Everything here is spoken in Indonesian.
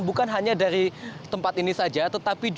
dan bukan hanya dari tempat ini saja